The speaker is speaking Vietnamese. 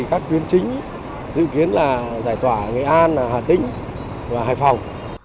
chính dự kiến là giải tỏa nghệ an hà tĩnh và hải phòng